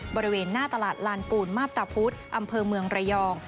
บริเวณหน้าตลาดลานปูนมาพตะพุธอำเภอเมืองระยอง